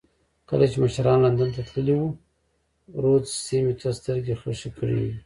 کله چې مشران لندن ته تللي وو رودز سیمې ته سترګې خښې کړې وې.